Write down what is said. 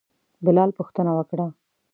بلال پوښتنه وکړه.